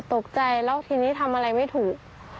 ตกใจแล้วทีนี้ทำอะไรไม่ถูก